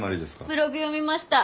ブログ読みました。